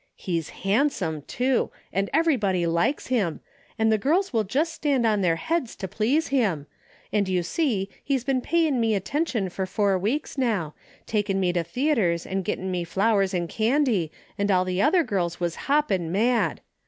He's handsome, too, and everybody likes him, and the girls will just stand on their heads to please him, and you see he's been payin' me attention for four weeks now, takin' me to theatres, and gettin' me flowers and candy, and all the other girls was hoppin' mad.